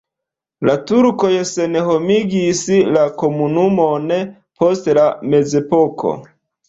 La turkoj senhomigis la komunumon post la mezepoko.